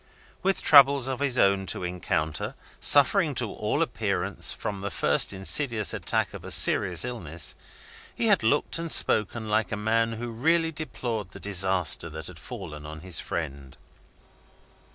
With troubles of his own to encounter, suffering, to all appearance, from the first insidious attack of a serious illness, he had looked and spoken like a man who really deplored the disaster that had fallen on his friend.